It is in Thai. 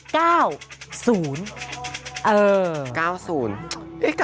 เออ๙๐เอ๊ะ๙๐มันไม่มาเลยนะ